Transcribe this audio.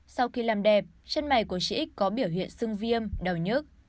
sau khi làm đẹp chân mày của chị có biểu hiện sưng viêm đau nhức